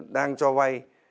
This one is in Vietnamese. đang cho vay